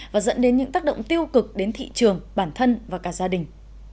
và dẫn đến những tác động tiêu cực đến thị trường bản thân và cả gia đình